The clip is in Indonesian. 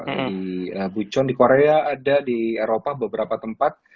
di bucon di korea ada di eropa beberapa tempat